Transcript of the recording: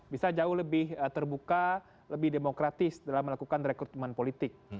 bisa jauh lebih terbuka lebih demokratis dalam melakukan rekrutmen politik